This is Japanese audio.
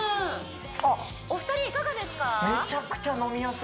あっお二人いかがですか？